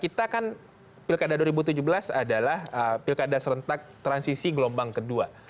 kita kan pilkada dua ribu tujuh belas adalah pilkada serentak transisi gelombang kedua